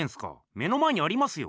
目の前にありますよ。